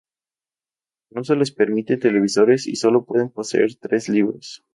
No se les permiten televisores y solo pueden poseer tres libros.